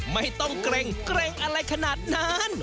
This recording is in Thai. ไม่ต้องเกร็งอะไรขนาดนั้น